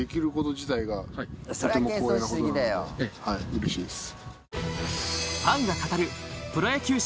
うれしいです。